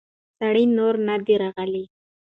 سړی نور نه دی راغلی.